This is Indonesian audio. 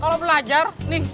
kalau belajar nih